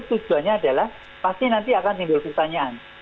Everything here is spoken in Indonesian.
tujuannya adalah pasti nanti akan timbul pertanyaan